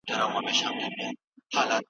تودوخه او اقلیم د ناروغۍ خپرېدو اغېز لري.